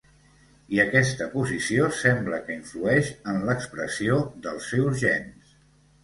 I aquesta posició sembla que influeix en l'expressió dels seus gens.